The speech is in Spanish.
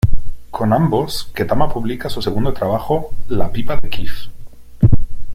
Con ambos Ketama publica su segundo trabajo, "La pipa de Kif".